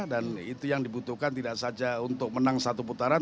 dan itu yang dibutuhkan tidak saja untuk menang satu putaran